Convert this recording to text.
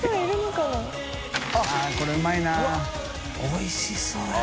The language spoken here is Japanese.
おいしそうやな。